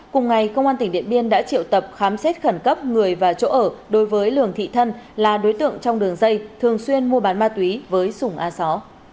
cùng ngày công an tỉnh điện biên đã triệu tập khám xét khẩn cấp người và chỗ ở đối với lường thị thân là đối tượng trong đường dây thường xuyên mua bán ma túy với sùng a só